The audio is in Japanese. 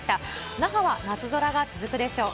那覇は夏空が続くでしょう。